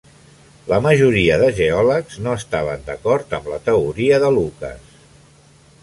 La majoria de geòlegs no estaven d'acord amb la teoria de Lucas.